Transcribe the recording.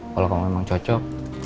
kalo kamu memang cocok